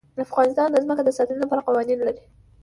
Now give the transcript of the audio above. افغانستان د ځمکه د ساتنې لپاره قوانین لري.